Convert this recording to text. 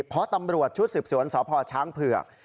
เพราะตำรวจชุดสืบสวนสพช้างเผือก